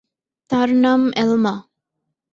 তার নাম অ্যালমা।